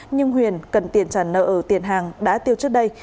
nhưng huyền cần tiền trả nợ ở tiền hàng đã tiêu trước đây